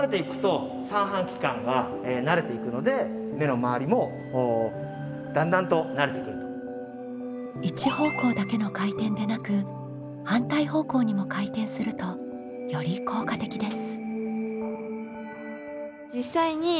でもこれも一方向だけの回転でなく反対方向にも回転するとより効果的です。